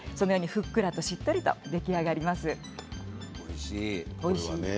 ふっくらしっとり出来上がります。